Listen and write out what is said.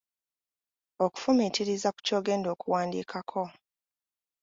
Okufumiitiriza ku ky’ogenda okuwandiikako